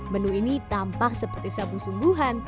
menu ini tampak seperti sabu sungguhan